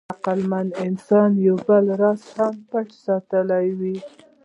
عقلمن انسان یو بل راز هم پټ ساتلی و.